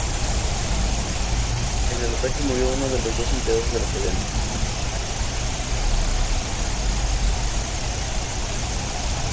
En el ataque murió uno de los empleados de la cadena.